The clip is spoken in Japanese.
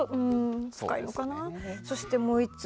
そして、もう１つ。